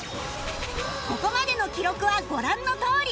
ここまでの記録はご覧のとおり